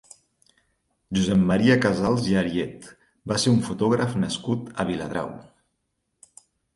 Josep Maria Casals i Ariet va ser un fotògraf nascut a Viladrau.